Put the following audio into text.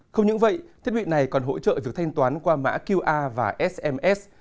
không những vậy thiết bị này còn hỗ trợ việc thanh toán qua mã qr và sms